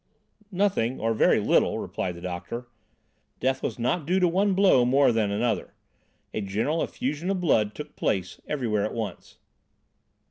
"Nothing, or very little," replied the doctor. "Death was not due to one blow more than another. A general effusion of blood took place everywhere at once."